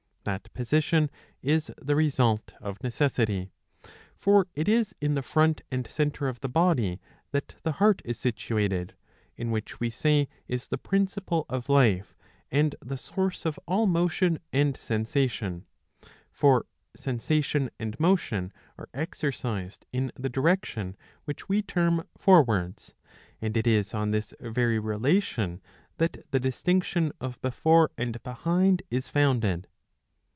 That position is the result of necessity. For it is in the front and centre of the body that 665a. 5 66 iii. 3 — iii. 4. the heart Is situated, in which we say is the principle of life and the source of all motion and sensation. (For sensation and motion are exercised in the direction which we term forwards, and it is on this very relation that the distinction of before and behind is founded.)